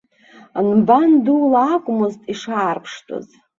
Нбан дула акәмызт ишаарԥштәыз.